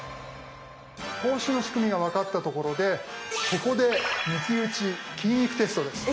投資の仕組みが分かったところでここで抜き打ち金育テストです。